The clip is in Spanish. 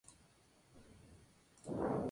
Le Brouilh-Monbert